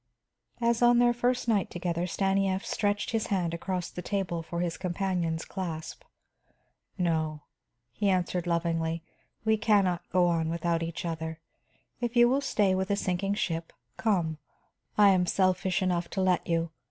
As on their first night together, Stanief stretched his hand across the table for his companion's clasp. "No," he answered lovingly, "we can not go on without each other. If you will stay with a sinking ship, come; I am selfish enough to let you.